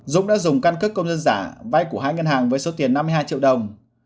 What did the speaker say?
dũng đã dùng căn cước công dân giả vay của hai ngân hàng với số tiền năm mươi hai triệu đồng